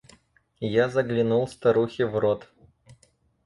Я заглянул старухе в рот.